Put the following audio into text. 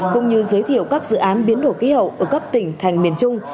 cũng như giới thiệu các dự án biến đổi khí hậu ở các tỉnh thành miền trung